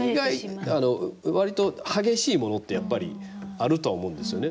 わりと激しいものって、やっぱりあるとは思うんですよね。